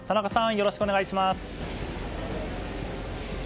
よろしくお願いします。